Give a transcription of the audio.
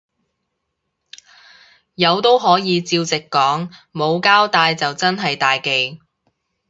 有都可以照直講，冇交帶就真係大忌